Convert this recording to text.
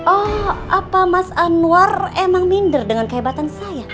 oh apa mas anwar emang minder dengan kehebatan saya